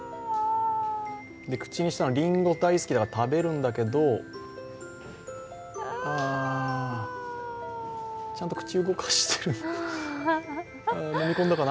口にしたのは、りんごが大好きで食べるんだけどちゃんと口動かしてる飲み込んだかな？